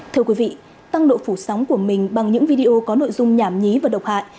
thưa quý vị tăng độ phủ sóng của mình bằng những video có nội dung nhảm nhí và độc hại